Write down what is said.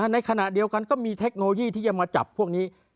ในขณะเดียวกันก็มีเทคโนโลยีที่จะมาจับพวกนี้